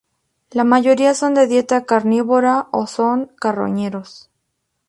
La mayoría son de dieta carnívora o son carroñeros.